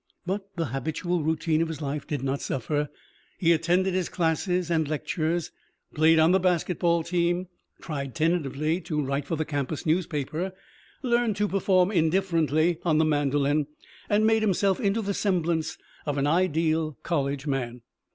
But the habitual routine of his life did not suffer. He attended his classes and lectures, played on the basketball team, tried tentatively to write for the campus newspaper, learned to perform indifferently on the mandolin, and made himself into the semblance of an ideal college man.